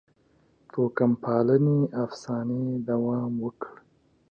توکم پالنې افسانې دوام وکړ.